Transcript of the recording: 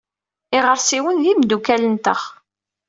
Iɣersiwen d imeddukal-nteɣ.